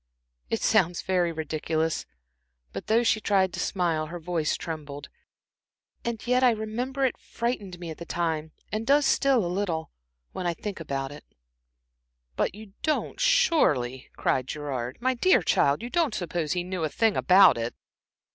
"It sounds very ridiculous," but though she tried to smile, her voice trembled, "and yet I remember it frightened me at the time, and does still a little when I think of it." "But you don't surely," cried Gerard, "my dear child, you don't suppose he knew a thing about it?"